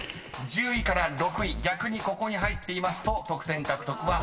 １０位から６位逆にここに入っていますと得点獲得はなりません。